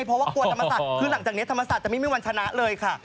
เพราะว่ากลัวธรรมศาสตร์คือหลังจากนี้ธรรมศาสตร์จะไม่มีวันชนะเลยค่ะ